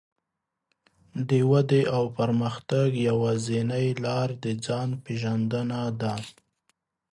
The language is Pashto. د ودې او پرمختګ يوازينۍ لار د ځان پېژندنه ده.